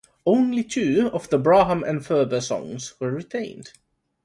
Only two of the Braham and Furber songs were retained.